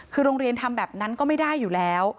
คือโรงเรียนทำแบบนั้นก็ไม่ได้อยู่แล้ว